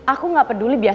aku nggak peduli biasanya